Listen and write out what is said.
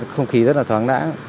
không khí rất là thoáng đã